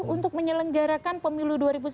untuk menyelenggarakan pemilu dua ribu sembilan belas